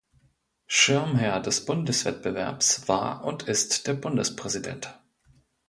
Schirmherr des Bundeswettbewerbs war und ist der Bundespräsident.